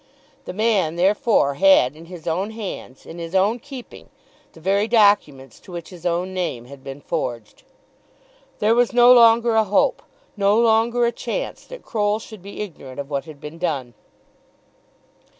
The man therefore had in his own hands, in his own keeping, the very documents to which his own name had been forged! There was no longer a hope, no longer a chance that Croll should be ignorant of what had been done.